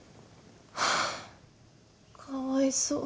ハァかわいそう。